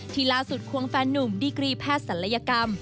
ที่ล่าสุดควงแฟนนุ่มดีกรีแพทย์ศัลยกรรม